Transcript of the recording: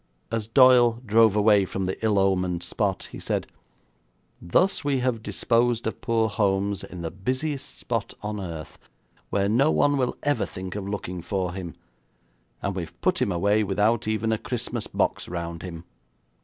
As Doyle drove away from the ill omened spot he said: 'Thus have we disposed of poor Holmes in the busiest spot on earth, where no one will ever think of looking for him, and we've put him away without even a Christmas box around him.